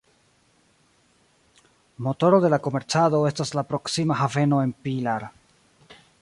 Motoro de la komercado estas la proksima haveno en Pilar.